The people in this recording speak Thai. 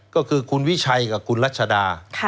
ก็คือคุณวิชัยกับคุณรัชดา